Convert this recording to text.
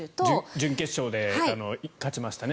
準決勝で勝ちましたね。